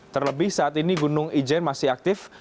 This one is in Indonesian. terlebih saat ini gunung ijen masih aktif